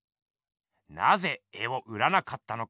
なぜ絵を売らなかったのか？